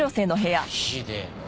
ひでえな。